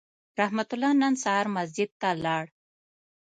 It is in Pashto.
رحمت الله نن سهار مسجد ته لاړ